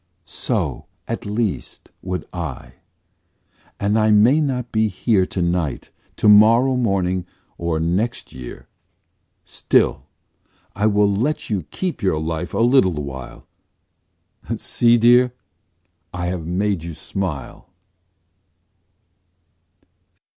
So, at least, would I, And I may not be here To night, to morrow morning or next year. Still I will let you keep your life a little while, See dear? I have made you smile.